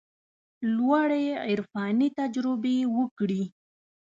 لوړې عرفاني تجربې وکړي.